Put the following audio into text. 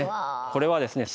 これはですね